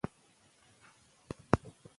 که مورنۍ ژبه وي، نو پیچلتیا نه راځي.